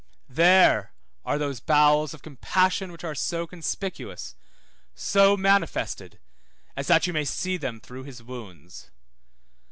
There are those bowels of compassion which are so conspicuous, so manifested, as that you may see them through his wounds.